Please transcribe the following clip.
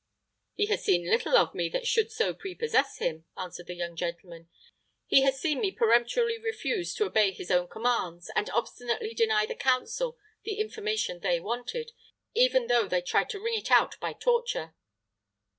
"He has seen little of me that should so prepossess him," answered the young gentleman; "he has seen me peremptorily refuse to obey his own commands, and obstinately deny the council the information they wanted, even though they tried to wring it out by torture."